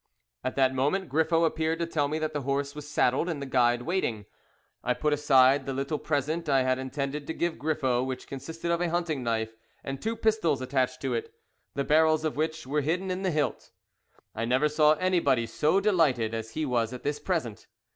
At that moment Griffo appeared to tell me that the horse was saddled and the guide waiting. I put aside the little present I had intended to give to Griffo, which consisted of a hunting knife and two pistols attached to it, the barrels of which were hidden in the hilt. I never saw anybody so delighted as he was at this present.